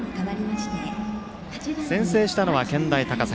先制したのは健大高崎。